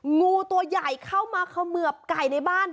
งูตัวใหญ่เข้ามาเขมือบไก่ในบ้าน